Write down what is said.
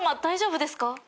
大丈夫ですか？